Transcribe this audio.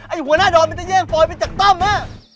ไอ้หัวหน้าดอนมันจะแยกโฟย์ไปจากต้มนะ